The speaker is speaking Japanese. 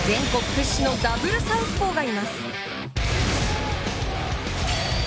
大阪の履正社には全国屈指のダブルサウスポーがいます。